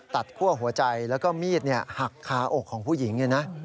ตัดขั้วหัวใจแล้วก็มีดหักคาอกของผู้หญิง